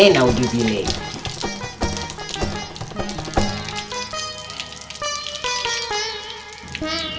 nah udah pilih